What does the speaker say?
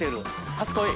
初恋。